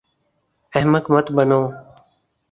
احمق مت بنو